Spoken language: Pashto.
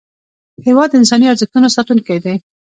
هېواد د انساني ارزښتونو ساتونکی دی.